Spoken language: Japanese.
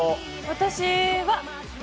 私は。